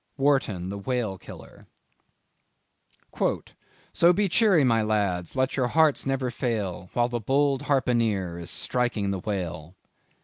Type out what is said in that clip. '" —Wharton the Whale Killer. "So be cheery, my lads, let your hearts never fail, While the bold harpooneer is striking the whale!"